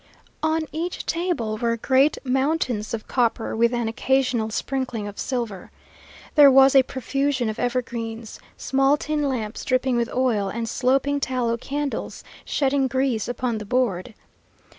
On each table were great mountains of copper, with an occasional sprinkling of silver. There was a profusion of evergreens, small tin lamps dripping with oil, and sloping tallow candles shedding grease upon the board.